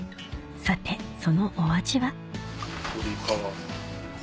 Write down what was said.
さてそのお味は？